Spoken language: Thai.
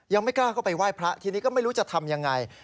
ยังไม่กล้าเข้าไปไหว้พระทีนี้ก็ไม่รู้จะทำยังไง